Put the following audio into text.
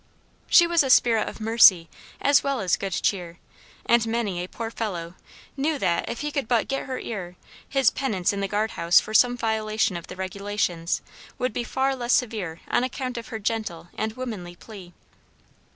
She was a spirit of mercy as well as good cheer; and many a poor fellow knew that, if he could but get her ear, his penance in the guard house for some violation of the regulations, would be far less severe on account of her gentle and womanly plea.